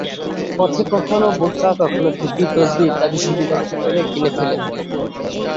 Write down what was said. পথে কখনো বোরকা কখনো টুপি, তসবিহ ইত্যাদি সুবিধামতো পেলে কিনে ফেরেন।